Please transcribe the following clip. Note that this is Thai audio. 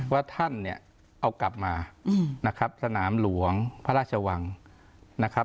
ว่าท่านเนี่ยเอากลับมานะครับสนามหลวงพระราชวังนะครับ